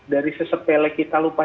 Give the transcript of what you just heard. dari sesepele kita lupa